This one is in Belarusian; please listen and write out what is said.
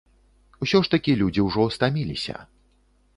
Усё ж такі людзі ўжо стаміліся.